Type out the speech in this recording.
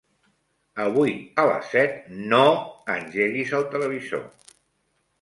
Avui a les set no engeguis el televisor.